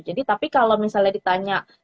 jadi tapi kalau misalnya ditanya